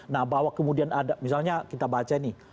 nah bahwa kemudian ada misalnya kita baca nih